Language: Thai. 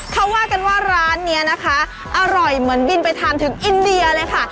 เขาว่ากันว่าร้านนี้นะคะอร่อยเหมือนบินไปทานถึงอินเดียเลยค่ะ